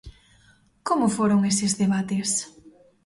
Como foron eses debates?